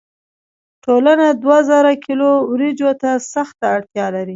ټولنه دوه زره کیلو وریجو ته سخته اړتیا لري.